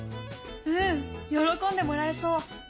うん喜んでもらえそう。